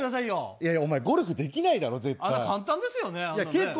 いやいや、お前ゴルフできないだろう？